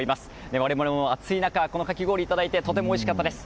我々も暑い中このかき氷いただいてとてもおいしかったです。